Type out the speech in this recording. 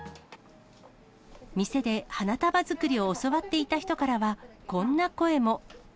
店で花束作りを教わっていた人からは、こんな声も。